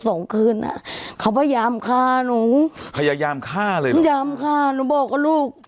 สองคืนอ่ะเขาพยายามฆ่าหนูพยายามฆ่าเลยหนูยอมฆ่าหนูบอกกับลูก